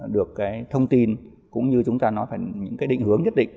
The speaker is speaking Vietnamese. được cái thông tin cũng như chúng ta nói phải những cái định hướng nhất định